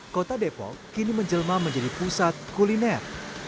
kota depok kini menjelma menjadi pusat kuliner